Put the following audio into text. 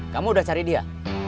kamu udah cari dia